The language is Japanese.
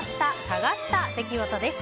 下がった出来事です。